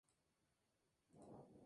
La curiosa obra de Gorgias.